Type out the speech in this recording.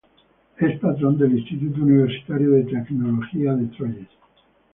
Es patrón del Instituto Universitario de Tecnología de Troyes.